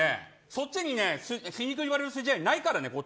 そっちに皮肉言われる筋合いないから。